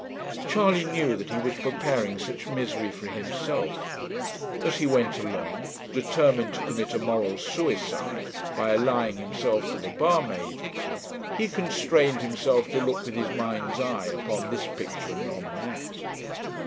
Charley knew that he was preparing such misery for himself. As he went along, determined to commit a moral suicide by allying himself to the barmaid, he constrained himself to look with his mind's eye 'upon this picture and on that.'